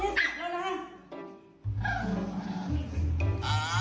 มันเก็บตาปาแล้วมันเจ็บนะมันเดินอ่ะ